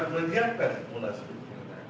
dan penyelidikan kan munasibik